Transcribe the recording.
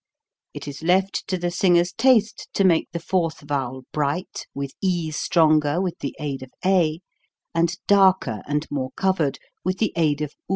It is left to the singer's taste to make the fourth vowel bright with e stronger with the aid of a, and darker and more covered with the aid of do.